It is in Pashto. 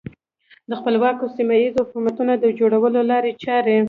د خپلواکو سیمه ییزو حکومتونو د جوړېدو لارې چارې.